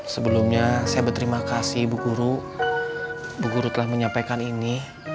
sebelumnya saya berterima kasih ibu guru ibu guru telah menyampaikan ini